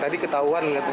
tadi ketawaan katanya